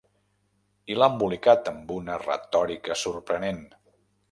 I l’ha embolicat amb una retòrica sorprenent.